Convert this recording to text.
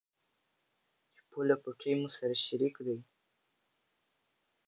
چې پوله، پټي مو سره شريک دي.